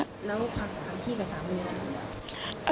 แล้วความสามารถพี่กับสามีอะไร